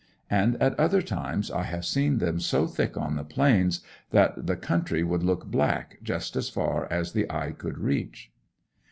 And at other times I have seen them so thick on the plains that the country would look black just as far as the eye could reach.